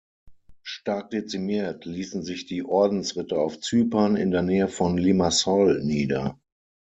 Stark dezimiert ließen sich die Ordensritter auf Zypern, in der Nähe von Limassol nieder.